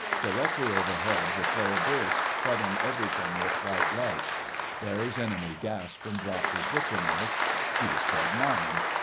Directly overhead the flare burst, flooding everything with white light. Barry's enemy gasped and dropped his butcher knife. He was Fred Marmon.